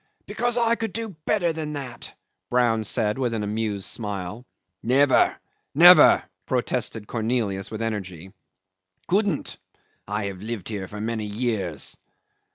"Because I could do better than that," Brown said with an amused smile. "Never! never!" protested Cornelius with energy. "Couldn't. I have lived here for many years."